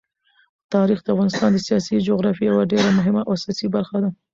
تاریخ د افغانستان د سیاسي جغرافیې یوه ډېره مهمه او اساسي برخه ده.